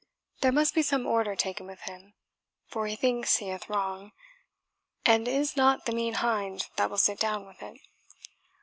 There must be some order taken with him, for he thinks he hath wrong, and is not the mean hind that will sit down with it.